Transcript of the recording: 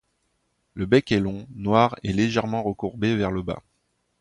Le bec est long, noir et légèrement recourbé vers le bas.